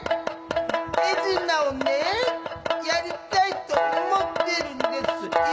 手品をねやりたいと思ってるんですよ。